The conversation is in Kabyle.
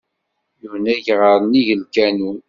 Yunag ɣer nnig lkanun.